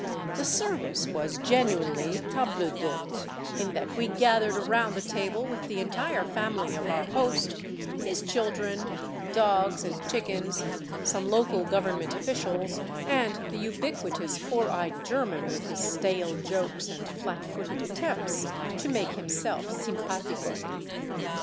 The service was genu inely table d'hote, in that we gathered around the table with the entire family of our host, his children, dogs, and chickens, some local govern ment officials, and the ubiquitous four eyed German with his stale jokes and flat footed attempts to make himself " simpatico."